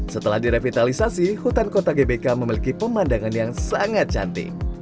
setelah direvitalisasi hutan kota gbk memiliki pemandangan yang sangat cantik